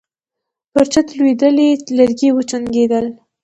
پر چت لوېدلي لرګي وچونګېدل.